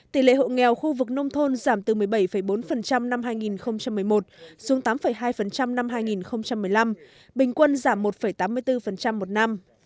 tỷ lệ hộ nghèo khu vực nông thôn giảm từ một mươi bảy bốn năm hai nghìn một mươi một xuống tám hai năm hai nghìn một mươi năm bình quân giảm một tám mươi bốn một năm